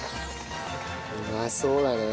うまそうだね。